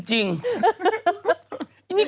หมวดไปทั้งหลายพันทุกอย่าง